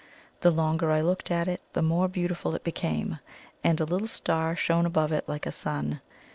The longer I looked at it, the more beautiful it became, and a little star shone above it like a sun.